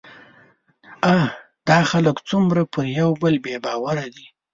اه! دا خلک څومره پر يوبل بې باوره دي